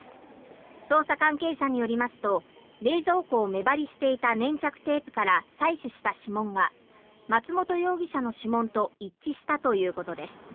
捜査関係者によりますと冷蔵庫を目張りしていた粘着テープから採取した指紋が松本容疑者の指紋と一致したということです。